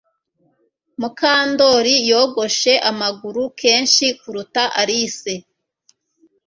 Mukandoli yogoshe amaguru kenshi kuruta Alice